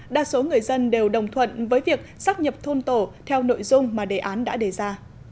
đa số người dân đều đồng thuận với việc sắp nhập thôn tổ theo nội dung mà đề án đã đề ra